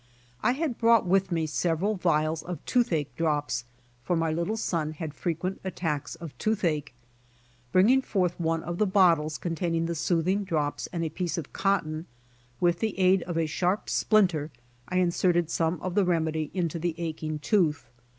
I had brought with me several vials of toothache drops, for my little son had frequent attacks of toothache. Bringing forth one AMUSING THE CHILDREN 97 of die bottles containing the soothing drops and a piece of cotton, with the aid of a sharp splinter I inserted some of the remedy into the aching tooth.